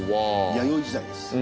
弥生時代です。